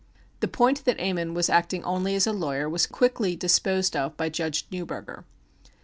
The point that Ammon was acting only as a lawyer was quickly disposed of by Judge Newburger.